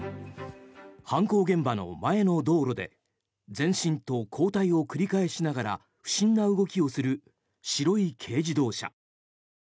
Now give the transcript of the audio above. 犯行現場の前の道路で前進と後退を繰り返しながら不審な動きをする白い軽自動車。